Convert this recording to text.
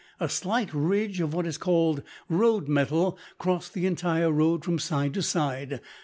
a slight ridge of what is called road metal crossed the entire road from side to side!